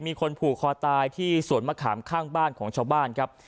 มีคนผูกคอตายที่สวนมะขามข้างบ้านของชาวบ้านครับ